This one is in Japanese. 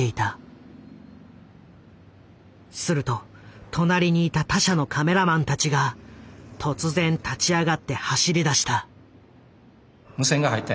すると隣にいた他社のカメラマンたちが突然立ち上がって走りだした。